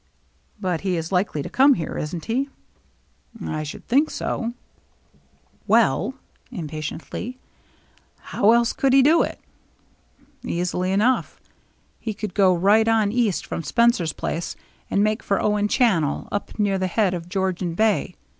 " But he is likely to come here, isn't he ?"" I should think so." THE CHASE BEGINS 245 " Well," impatiently, " how else could he do it?" " Easily enough. He could go right on east from Spencer's place and make for Owen Channel, up near the head of Georgian Bay.